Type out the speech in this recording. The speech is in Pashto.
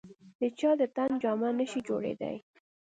د چا د تن جامه نه شي جوړېدای.